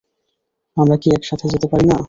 আমরা কি একসাথে যেতে পারি না?